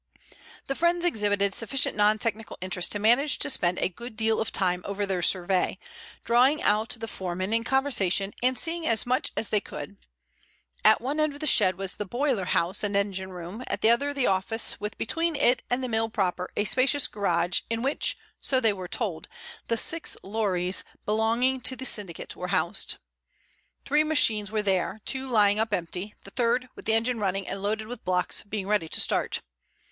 The friends exhibited sufficient non technical interest to manage to spend a good deal of time over their survey, drawing out the foreman in conversation and seeing as much as they could. At one end of the shed was the boiler house and engine room, at the other the office, with between it and the mill proper a spacious garage in which, so they were told, the six lorries belonging to the syndicate were housed. Three machines were there, two lying up empty, the third, with engine running and loaded with blocks, being ready to start.